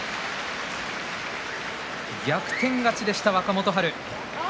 逆転勝ちでした、若元春。